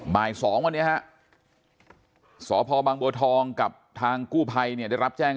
วันสองแล้วนี้ครับสพบางบัวทองกับทางกู้ภัยได้รับแจ้ง